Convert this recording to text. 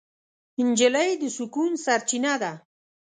نجلۍ د سکون سرچینه ده.